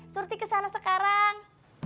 surti kesana sekarang